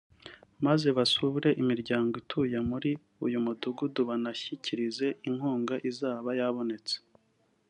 maze basure imiryango ituye muri uyu mudugudu banayishyikirize inkunga izaba yabonetse